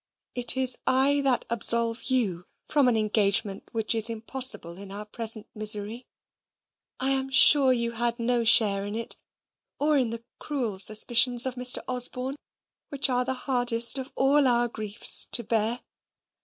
It is I that absolve you from an engagement which is impossible in our present misery. I am sure you had no share in it, or in the cruel suspicions of Mr. Osborne, which are the hardest of all our griefs to bear.